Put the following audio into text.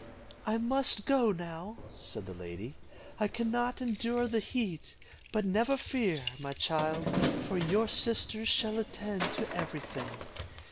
"I must go now," said the lady; "I can not endure the heat; but never fear, my child, for your sisters shall attend to every thing.